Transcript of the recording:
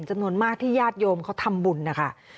จำนวนมากที่ญาติโยมเขาทำบุญนะคะ